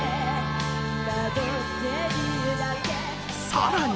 ［さらに］